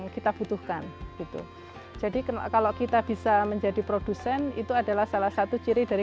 kita butuhkan gitu jadi kalau kita bisa menjadi produsen itu adalah salah satu ciri dari